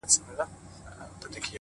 • مسافرۍ كي يك تنها پرېږدې،